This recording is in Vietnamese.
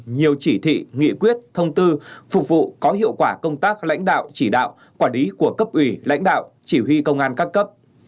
nhiều chỉ thị nghị quyết thông tư phục vụ có hiệu quả công tác lãnh đạo chỉ đạo quản lý của cấp ủy lãnh đạo chỉ huy công an các cấp